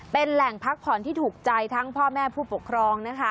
เป็นแหล่งพักผ่อนที่ถูกใจทั้งพ่อแม่ผู้ปกครองนะคะ